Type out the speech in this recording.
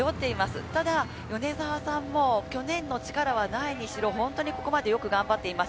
ただ、米澤さんも去年の力はないにしろ、本当にここまで頑張っています。